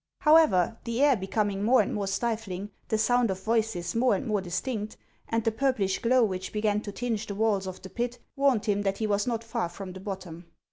However, the air becoming more and more Stirling, the sound of voices more and more distinct, and the purplish glow which began to tinge the walls of the pit, warned him that he was not far from the bottom.